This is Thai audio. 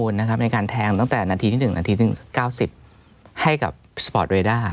มันจะมอบข้อมูลในการแทงตั้งแต่๑นาที๙๐ให้กับสปอร์ตเวด้า